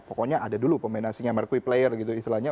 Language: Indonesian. pokoknya ada dulu pemain asingnya marky player gitu istilahnya